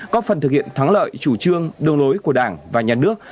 có phần thực hiện thắng lợi chủ trương đường lối của đảng và nhà nước